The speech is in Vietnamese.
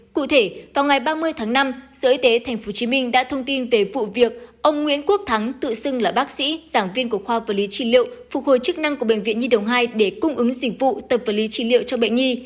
cụ thể vào ngày ba mươi tháng năm sở y tế tp hcm đã thông tin về vụ việc ông nguyễn quốc thắng tự xưng là bác sĩ giảng viên của khoa vật lý trị liệu phục hồi chức năng của bệnh viện nhi đồng hai để cung ứng dịch vụ tập vật lý trị liệu cho bệnh nhi